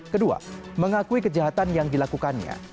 kedua mengakui kejahatan yang dilakukannya